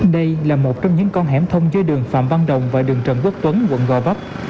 đây là một trong những con hẻm thông dưới đường phạm văn đồng và đường trần quốc tuấn quận gò vấp